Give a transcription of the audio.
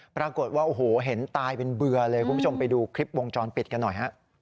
ปรากฏว่าโอ้โหเห็นตายเป็นเบื่อเลยคุณผู้ชมไปดูคลิปวงจรปิดกันหน่อยฮะ